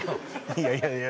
いやいやいや